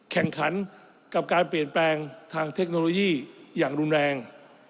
แข่งขันกับการเปลี่ยนแปลงทางเทคโนโลยีอย่างรุนแรง